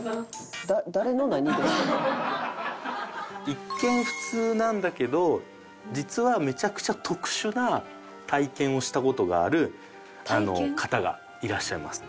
一見普通なんだけど実はめちゃくちゃ特殊な体験をした事がある方がいらっしゃいます。